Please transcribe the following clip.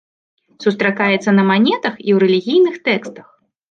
Сустракаецца на манетах і ў рэлігійных тэкстах.